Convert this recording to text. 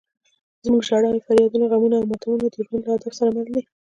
زموږ ژړاوې، فریادونه، غمونه او ماتمونه د ژوند له هدف سره مل دي.